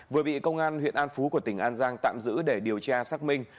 vừa bị công an huyện an phú của tỉnh an giang tạm giữ để điều tra xác minh